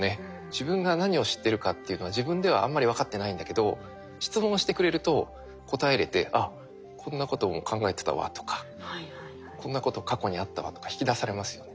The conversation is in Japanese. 自分が何を知ってるかっていうのは自分ではあんまり分かってないんだけど質問してくれると答えれて「あっこんなことも考えてたわ」とか「こんなこと過去にあったわ」とか引き出されますよね。